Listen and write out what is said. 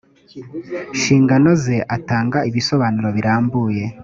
nshingano ze atanga ibisobanuro birambuye